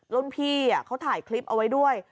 รุ่นพี่เขาถ่ายคลิปเอาไว้ด้วย